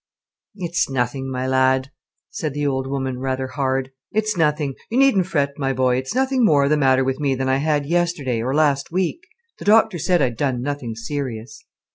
"It's nothing, my lad," said the old woman, rather hard. "It's nothing. You needn't fret, my boy, it's nothing more the matter with me than I had yesterday, or last week. The doctor said I'd done nothing serious."